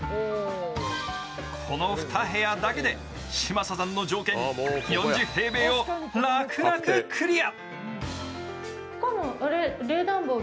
この２部屋だけで嶋佐さんの条件４０平米を楽々クリア。